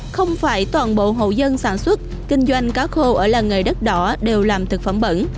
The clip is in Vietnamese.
không phải toàn bộ hậu dân sản xuất kinh doanh cá khô ở làng nghề đất đỏ đều làm thực phẩm bẩn